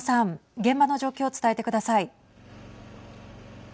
現場の状況を伝えてください。